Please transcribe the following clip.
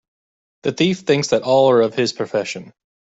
The thief thinks that all are of his profession.